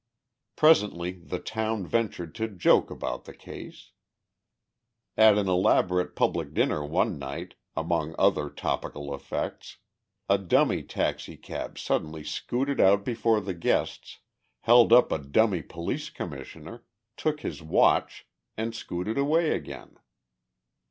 Presently the town ventured to joke about the case. At an elaborate public dinner one night, among other topical effects, a dummy taxicab suddenly scooted out before the guests, held up a dummy police commissioner, took his watch, and scooted away again.